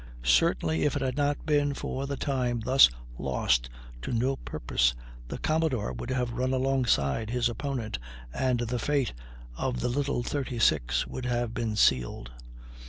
Certainly if it had not been for the time thus lost to no purpose, the Commodore would have run alongside his opponent, and the fate of the little 36 would have been sealed.